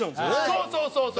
そうそうそうそう。